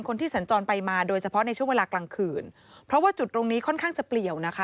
คนที่สัญจรไปมาโดยเฉพาะในช่วงเวลากลางคืนเพราะว่าจุดตรงนี้ค่อนข้างจะเปลี่ยวนะคะ